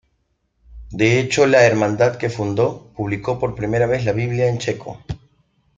De hecho la hermandad que fundó, publicó por primera vez la Biblia en checo.